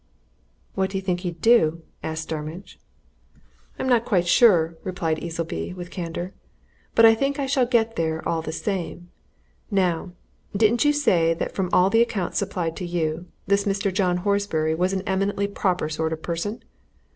"What do you think he'd do?" asked Starmidge. "I'm not quite sure," replied Easleby, with candour. "But I think I shall get there, all the same. Now, didn't you say that from all the accounts supplied to you, this Mr. John Horbury was an eminently proper sort of person?